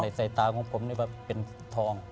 ในสายตาของผมเป็นทอง